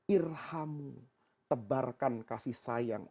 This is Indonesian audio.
irhamu tebarkan kasih sayang